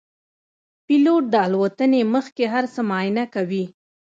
پیلوټ د الوتنې مخکې هر څه معاینه کوي.